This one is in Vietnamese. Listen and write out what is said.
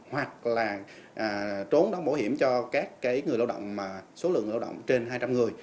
hoặc là trốn đóng bảo hiểm cho các người lao động mà số lượng lao động trên hai trăm linh người